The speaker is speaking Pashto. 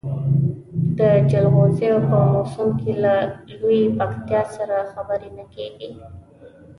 د جلغوزیو په موسم کې له لویې پکتیا سره خبرې نه کېږي.